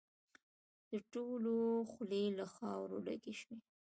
د ټولو خولې له خاورو ډکې شوې.